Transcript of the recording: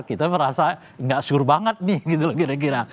kita merasa gak sure banget nih gitu kira kira